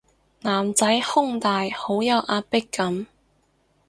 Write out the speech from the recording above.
男仔胸大好有壓迫感